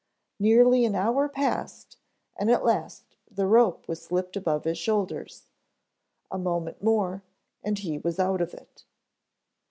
Nearly an hour passed and at last the rope was slipped above his shoulders; a moment more and he was out of it.